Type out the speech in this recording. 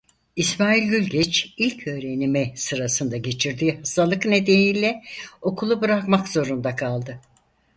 İsmail Gülgeç ilköğrenimi sırasında geçirdiği hastalık nedeniyle okulu bırakmak zorunda kaldı.